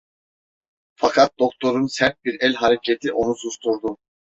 Fakat doktorun sert bir el hareketi onu susturdu.